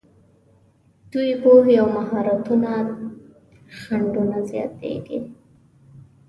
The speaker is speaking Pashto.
دوی پوهې او مهارتونو ته خنډونه زیاتېږي.